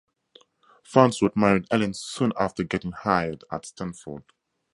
Farnsworth married Helen soon after getting hired at Stanford.